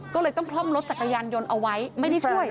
ก็เลยต้องคล่อมรถจักรยานยนต์เอาไว้ไม่ได้ช่วย